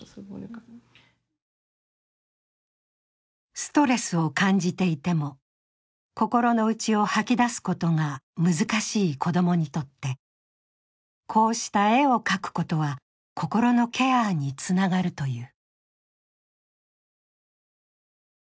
ストレスを感じていても、心の内を吐き出すことが難しい子供にとってこうした絵を描くことは心のケアにつながるという。